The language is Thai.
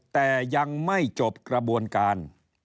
แต่ยังไม่จบกระบวนการ